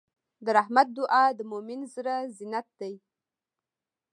د رحمت دعا د مؤمن زړۀ زینت دی.